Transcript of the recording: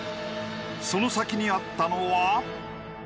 その先にあったのは。